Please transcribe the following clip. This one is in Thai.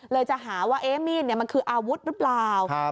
จะหาว่ามีดมันคืออาวุธหรือเปล่า